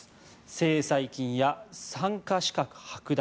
制裁金や参加資格はく奪。